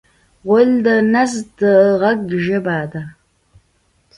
غول د نس د غږ ژبه ده.